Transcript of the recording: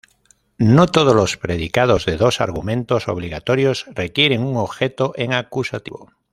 No todos los predicados de dos argumentos obligatorios requieren un Objeto en acusativo.